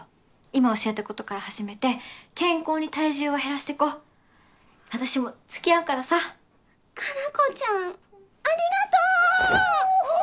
今教えたことから始めて健康に体重を減らしてこう私も付き合うからさ加奈子ちゃんありがとう！おお！